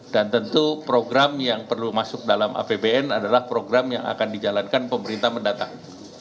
dan tentu program yang perlu masuk dalam apbn adalah program yang akan dijalankan pemerintah mendatang